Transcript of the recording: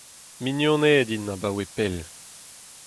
Mignoned int abaoe pell.